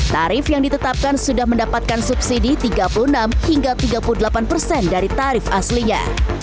tarif yang ditetapkan sudah mendapatkan subsidi tiga puluh enam hingga tiga puluh delapan persen dari tarif aslinya